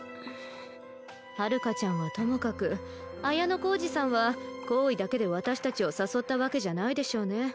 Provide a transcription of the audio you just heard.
遥ちゃんはともかく綾小路さんは好意だけで私たちを誘ったわけじゃないでしょうね。